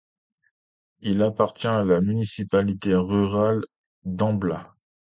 Il appartient à la municipalité rurale d’Ambla.